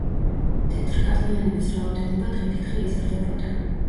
თეთრკანიანების რაოდენობა დღითიდღე იზრდებოდა.